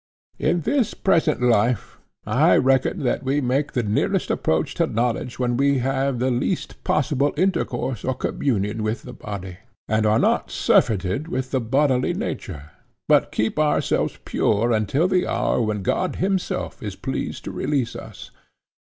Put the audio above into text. In this present life, I reckon that we make the nearest approach to knowledge when we have the least possible intercourse or communion with the body, and are not surfeited with the bodily nature, but keep ourselves pure until the hour when God himself is pleased to release us.